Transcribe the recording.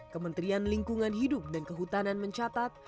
kementerian lingkungan hidup dan kehutanan mencatat